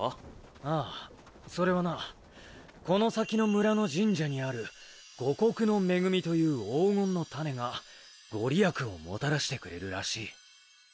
ああそれはなこの先の村の神社にある「五穀の恵み」という黄金の種が御利益をもたらしてくれるらしい。